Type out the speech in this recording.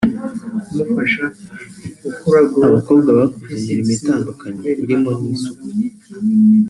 Aba bakobwa bakoze imirimo itandukanye irimo iy’isuku